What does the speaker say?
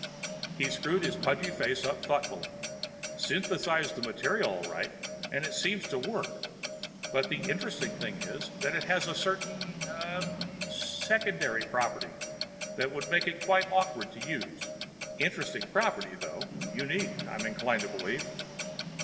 He screwed his pudgy face up thoughtfully. "Synthesized the material, all right, and it seems to work, but the interesting thing is that it has a certain ah secondary property that would make it quite awkward to use. Interesting property, though. Unique, I am inclined to believe."